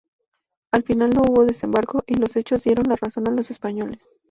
Al final no hubo desembarco, y los hechos dieron la razón a los españoles.